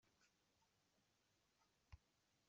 Llan rennun tifyar.